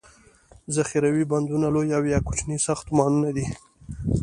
ذخیروي بندونه لوي او یا کوچني ساختمانونه دي.